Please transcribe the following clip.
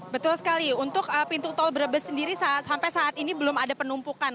betul sekali untuk pintu tol brebes sendiri sampai saat ini belum ada penumpukan